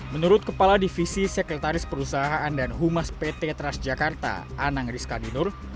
menurut kepala divisi sekretaris perusahaan dan humas pt tras jakarta anang rizka dinur